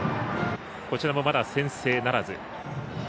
こちらもまだ先制ならず。